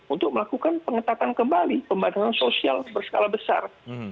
untuk melakukan pengetatan kembali pembatasan sosial berskala besar